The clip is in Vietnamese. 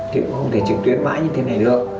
thì cũng không thể trực tuyến mãi như thế này nữa